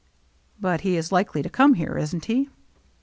" But he is likely to come here, isn't he